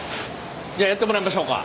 じゃあやってもらいましょうか。